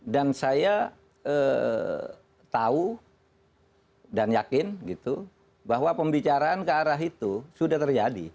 dan saya tahu dan yakin bahwa pembicaraan ke arah itu sudah terjadi